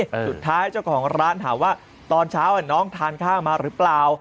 สุดท้ายเจ้าของร้านถามว่าตอนเช้าน้องทานข้าวมาหรือเปล่า